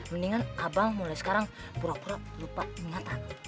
mendingan abang mulai sekarang pura pura lupa ingatan